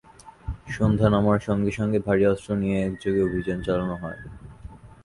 সন্ধ্যা নামার সঙ্গে সঙ্গে ভারি অস্ত্র নিয়ে একযোগে অভিযান চালানো হয়।